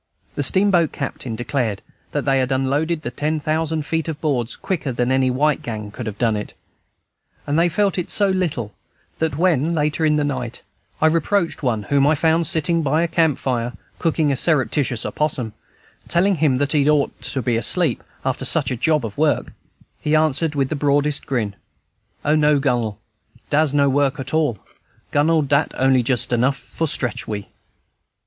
The steamboat captain declared that they unloaded the ten thousand feet of boards quicker than any white gang could have done it; and they felt it so little, that, when, later in the night, I reproached one whom I found sitting by a campfire, cooking a surreptitious opossum, telling him that he ought to be asleep after such a job of work, he answered, with the broadest grin, "O no, Gunnel, da's no work at all, Gunnel; dat only jess enough for stretch we."